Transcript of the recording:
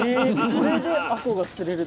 これであこうが釣れる？